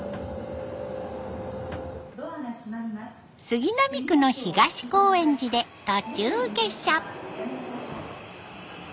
杉並区の東高円寺で途中下車。